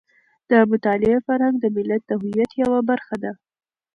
د مطالعې فرهنګ د ملت د هویت یوه برخه ده.